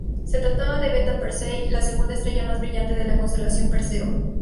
Se trataba de Beta Persei, la segunda estrella más brillante de la constelación Perseo.